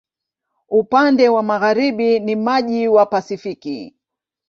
Upande wa magharibi ni maji wa Pasifiki.